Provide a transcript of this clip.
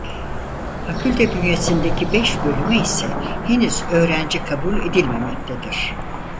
Fakülte bünyesindeki beş bölüme ise henüz öğrenci kabul edilmemektedir.